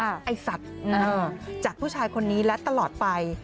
ไอ้สัตว์จากผู้ชายคนนี้และตลอดไป